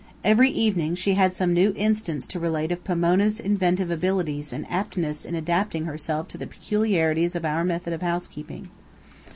Every evening she had some new instance to relate of Pomona's inventive abilities and aptness in adapting herself to the peculiarities of our method of housekeeping.